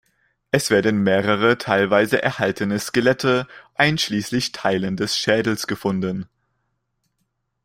Es werden mehrere teilweise erhaltene Skelette, einschließlich Teilen des Schädels gefunden.